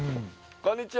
こんにちは。